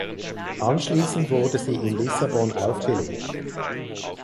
Anschließend wurde sie in Lissabon aufgelegt.